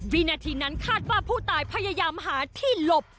วินาทีนั้นคาดว่าผู้ตายพยายามหาที่หลบ